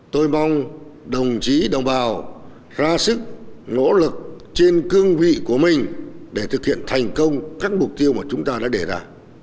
tôi mong đồng chí đồng bào ra sức nỗ lực trên cương vị của mình để thực hiện thành công các mục tiêu mà chúng ta đã đề ra